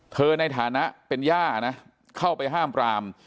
ในฐานะเป็นย่านะเข้าไปห้ามปราม